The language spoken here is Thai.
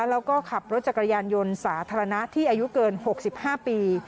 แล้วก็ขับรถจักรยานยนต์สาธารณะที่อายุเกิน๖๕ปี